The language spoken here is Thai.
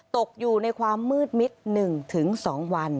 ตกอยู่ในความมืดมิด๑๒วัน